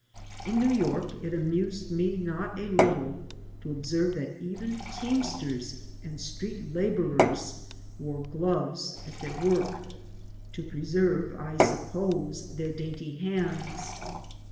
In New York it amused me not a little to observe that even teamsters and street laborers wore gloves at their work, to preserve, I supposed, their 99 AN AMERICAN IN THE MAKING dainty hands.